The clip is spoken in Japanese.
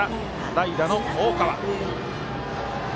代打の大川。